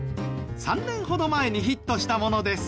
３年ほど前にヒットしたものです。